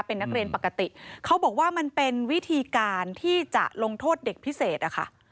เป็นนักเรียนปกติเขาบอกว่ามันเป็นวิธีการที่จะลงโทษเด็กพิเศษอะค่ะ